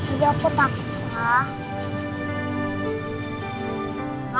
iya aku takut pak